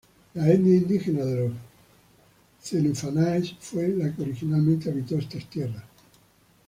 La etnia indígena de los Z"enufanáes", fue la que originalmente habitó estas tierras.